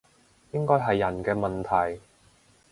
應該係人嘅問題